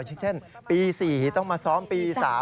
เช่นปีสี่ต้องมาซ้อมปีสาม